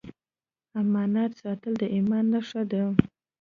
امانت ساتل د ایمان نښه ده.